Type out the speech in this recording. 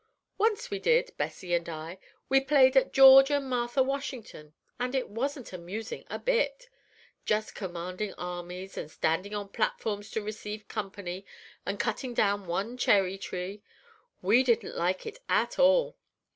"Once we did, Bessie and I. We played at George and Martha Washington, and it wasn't amusing a bit, just commanding armies, and standing on platforms to receive company, and cutting down one cherry tree! We didn't like it at all.